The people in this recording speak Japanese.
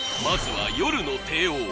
まずは夜の帝王